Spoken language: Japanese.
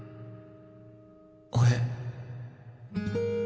俺